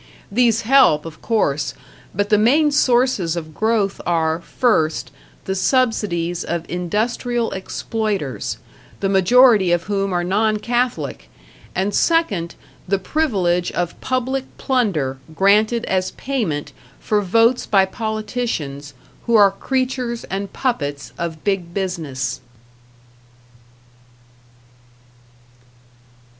These help, of course; but the main sources of growth are, first, the subsidies of industrial exploiters, the majority of whom are non Catholic, and second, the privilege of public plunder granted as payment for votes by politicians who are creatures and puppets of Big Business.